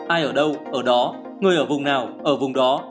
ai ở đâu ở đó người ở vùng nào ở vùng đó